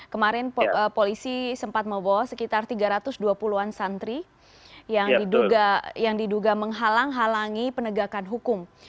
kemarin polisi sempat membawa sekitar tiga ratus dua puluh an santri yang diduga menghalang halangi penegakan hukum